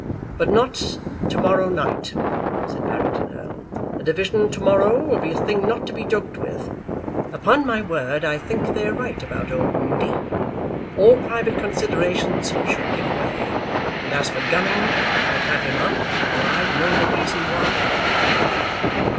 "But not to morrow night," said Barrington Erle; "the division to morrow will be a thing not to be joked with. Upon my word I think they're right about old Moody. All private considerations should give way. And as for Gunning, I'd have him up or I'd know the reason why."